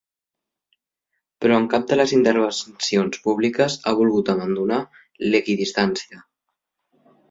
Però en cap de les intervencions públiques ha volgut abandonar l’equidistància.